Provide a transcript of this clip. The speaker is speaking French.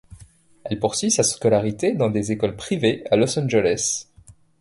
Elle poursuit sa scolarité dans des écoles privées à Los Angeles.